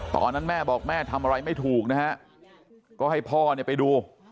ตอนนั้นแม่บอกแม่ทำอะไรไม่ถูกนะฮะก็ให้พ่อเนี่ยไปดู